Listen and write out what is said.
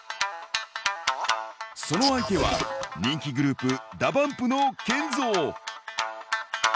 その相手は、人気グループ、ＤＡＰＵＭＰのＫＥＮＺＯ。